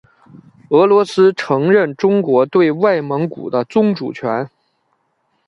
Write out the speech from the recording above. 俄罗斯承认中国对外蒙古的宗主权。